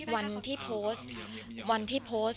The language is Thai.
วันที่โพสต์